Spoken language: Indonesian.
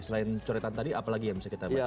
selain coretan tadi apa lagi yang bisa kita bahas